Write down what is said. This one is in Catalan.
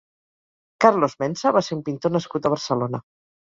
Carlos Mensa va ser un pintor nascut a Barcelona.